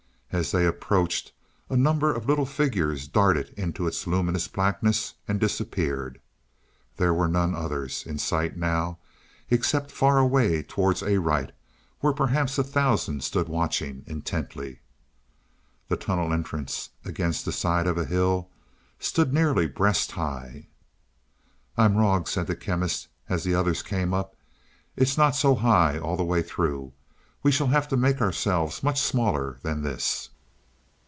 As they approached, a number of little figures darted into its luminous blackness and disappeared. There were none others in sight now, except far away towards Arite, where perhaps a thousand stood watching intently. The tunnel entrance, against the side of a hill, stood nearly breast high. "I'm wrong," said the Chemist, as the others came up. "It's not so high all the way through. We shall have to make ourselves much smaller than this."